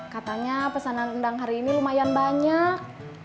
katanya pesanan rendang hari ini lumayan banyak